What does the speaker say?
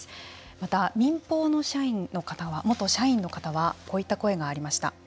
また、民放の元社員の方はこういった声がありました。